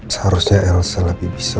seharusnya elsa lebih bisa